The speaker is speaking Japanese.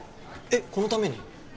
えっこのために？